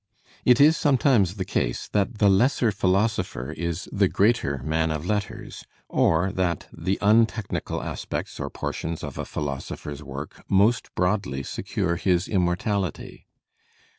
It is sometimes the case that the lesser philosopher is the greater man of letters, or that the untechnical aspects or portions of a philosopher's work most broadly secure his immortality.